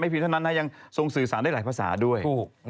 เพียงเท่านั้นนะยังทรงสื่อสารได้หลายภาษาด้วย